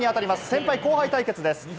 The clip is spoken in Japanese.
先輩・後輩対決です。